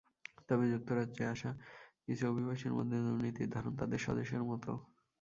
তবে যুক্তরাজ্যে আসা কিছু অভিবাসীর মধ্যে দুর্নীতির ধরন তাঁদের স্বদেশের মতো।